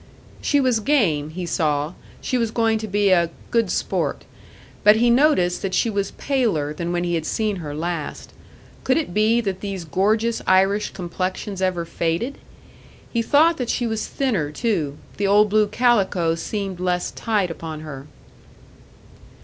She was game, he saw; she was going to be a "good sport." But he noticed that she was paler than when he had seen her last. Could it be that these gorgeous Irish complexions ever faded? He thought that she was thinner too; the old blue calico seemed less tight upon her.